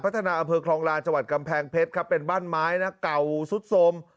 พัฒนาอเภอคลองลานจงหวัดกำแพงเพชรเป็นบ้านไม้นะเก่าสุดสม